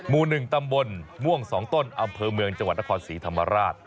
หมู่๑ตำบลม่วง๒ต้นอำเภอเมืองจังหวัดนครศรีธรรมราช